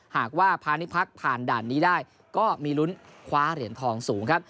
หากว่าพาณิพักษ์ผ่านด่านนี้ได้ก็มีลุ้นคว้าเหรียญทองสูงครับ